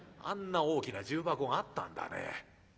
あんな大きな重箱があったんだね。